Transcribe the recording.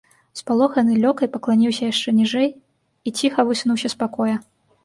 Спалоханы лёкай пакланіўся яшчэ ніжэй і ціха высунуўся з пакоя.